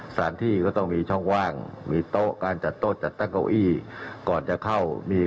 สถานที่ก็ต้องมีช่องว่างมีโต๊ะการจัดโต๊ะจัดตั้งเก้าอี้ก่อนจะเข้ามี